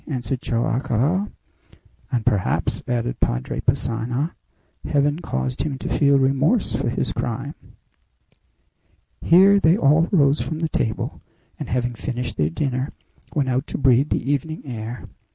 answered Joam Garral. "And, perhaps," added Padre Passanha, "Heaven caused him to feel remorse for his crime." Here they all rose from the table, and, having finished their dinner, went out to breathe the evening air.